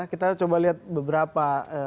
kita coba lihat beberapa